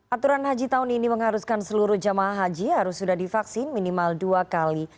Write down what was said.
aturan haji tahun ini mengharuskan seluruh jemaah haji harus sudah divaksin minimal dua kali